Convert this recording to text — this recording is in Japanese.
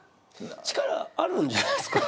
力あるんじゃないですか。